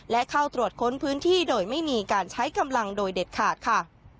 และเข้าตรวจค้นพื้นที่โดยไม่มีการใช้กำลังโดยเด็ดขาดค่ะ